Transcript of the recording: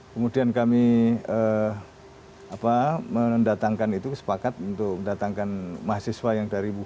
kemudian kami mendatangkan itu kesepakat untuk mendatangkan mahasiswa yang dari wuhan